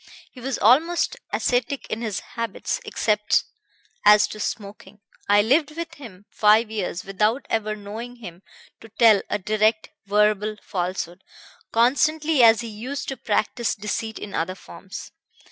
He was almost ascetic in his habits, except as to smoking. I lived with him five years without ever knowing him to tell a direct verbal falsehood, constantly as he used to practise deceit in other forms.